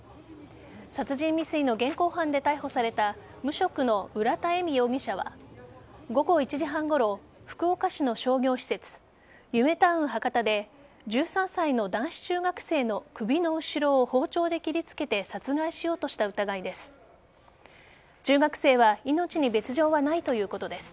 殺人未遂の現行犯で逮捕された無職の浦田恵美容疑者は午後１時半ごろ福岡市の商業施設ゆめタウン博多で１３歳の男子中学生の首の後ろを包丁で切りつけて殺害しようとした疑いです。